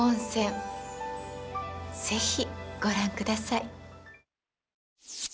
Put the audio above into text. ぜひ、ご覧ください。